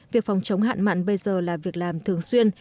việc phòng chống hạn mặn bây giờ là việc làm thường xuyên